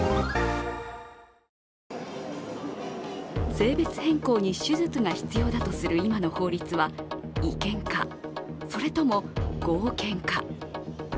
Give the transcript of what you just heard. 性別変更に手術が必要だとする今の法律は違憲か、それとも合憲か。